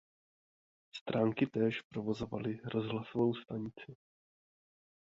Stránky též provozovaly rozhlasovou stanici.